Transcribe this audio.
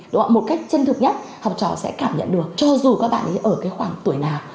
đúng ạ một cách chân thực nhất học trò sẽ cảm nhận được cho dù các bạn ấy ở cái khoảng tuổi nào